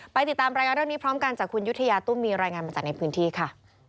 ติดตามรายงานเรื่องนี้พร้อมกันจากคุณยุธยาตุ้มมีรายงานมาจากในพื้นที่ค่ะ